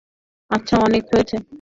আচ্ছা, অনেক হয়েছে!